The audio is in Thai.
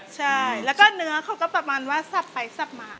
ใช่แล้วก็เนื้อเขาก็ประมาณว่าสับไปสับมา